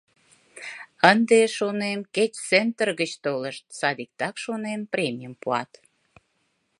Ынде, шонем, кеч центр гыч толышт, садиктак, шонем, премийым пуат.